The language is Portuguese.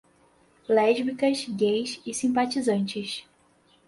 Lésbicas, gays e simpatizantes